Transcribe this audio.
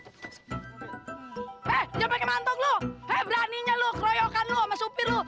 eh jangan pake mantong lo eh beraninya lo keroyokan lo sama supir lo